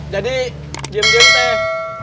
jadi diam diam teh